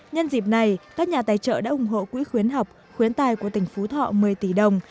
nhân dịp này các nhà tài trợ đã ủng hộ quỹ khuyến học khuyến tài của tỉnh phú thọ một mươi tỷ đồng